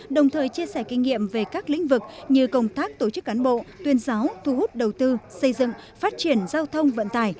đồng thời chia sẻ kinh nghiệm về các lĩnh vực như công tác tổ chức cán bộ tuyên giáo thu hút đầu tư xây dựng phát triển giao thông vận tải